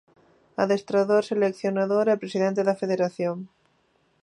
Adestrador, seleccionador e presidente da Federación.